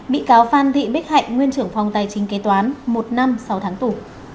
bị cáo phan thị bích hạnh nguyên trưởng phòng tài chính kế toán một năm sáu tháng tù